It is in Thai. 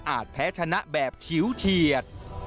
อาจแพ้ชนะแบบเฉียวเฉียด